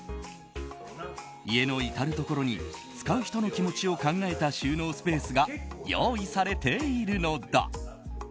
家の至るところに使う人の気持ちを考えた収納スペースが用意されているのだ。